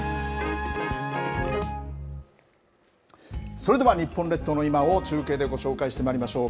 それでは、日本列島の今を中継でご紹介してまいりましょう。